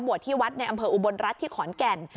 ที่วัดในอำเภออุบลรัฐที่ขอนแก่น